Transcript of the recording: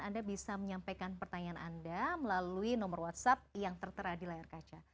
anda bisa menyampaikan pertanyaan anda melalui nomor whatsapp yang tertera di layar kaca